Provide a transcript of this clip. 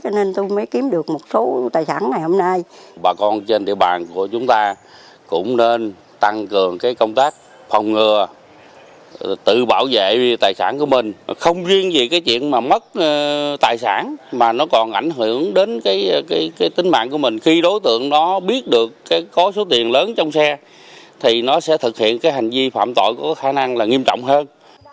nếu đối tượng mất tài sản mà nó còn ảnh hưởng đến tính mạng của mình khi đối tượng nó biết được có số tiền lớn trong xe thì nó sẽ thực hiện hành vi phạm tội có khả năng nghiêm trọng hơn